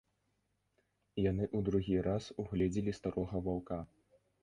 Яны ў другі раз угледзелі старога ваўка.